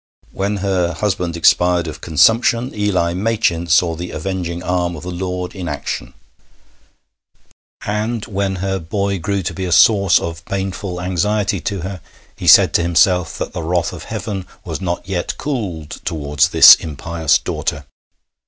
When her husband expired of consumption, Eli Machin saw the avenging arm of the Lord in action; and when her boy grew to be a source of painful anxiety to her, he said to himself that the wrath of Heaven was not yet cooled towards this impious daughter.